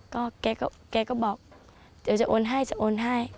ก็แกก็บอกเดี๋ยวจะโอนให้จะโอนให้